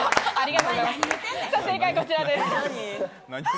正解、こちらです。